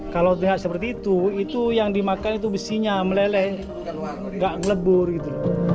kalau lihat seperti itu itu yang dimakan itu besinya meleleh gak ngelebur gitu